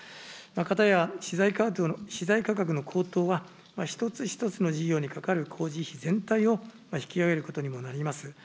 かたや資材価格の高騰は、一つ一つの事業にかかる工事費全体を引き上げることにもなります。